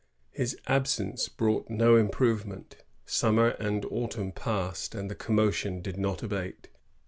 His absence brought no improvement. Summer and autumn passed, and the commotion did not abate.